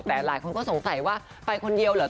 แต่หลายคนก็สงสัยว่าไปคนเดียวเหรอ